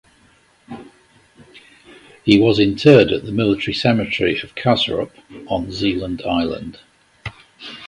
He was interred at the military cemetery of Kastrup on Zealand island.